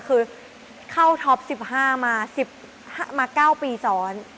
คือเข้าท็อป๑๕มา๙ปีซ้อน